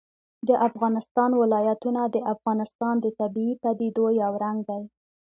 د افغانستان ولايتونه د افغانستان د طبیعي پدیدو یو رنګ دی.